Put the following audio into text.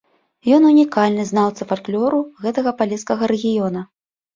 Ён унікальны знаўца фальклору гэтага палескага рэгіёна.